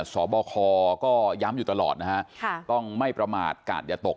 สบคย้ำอยู่ตลอดต้องไม่ประมาทกาดอย่าตก